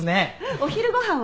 お昼ご飯は？